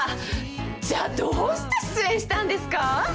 じゃあどうして出演したんですか！？